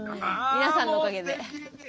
皆さんのおかげで。